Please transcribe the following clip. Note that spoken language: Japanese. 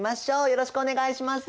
よろしくお願いします。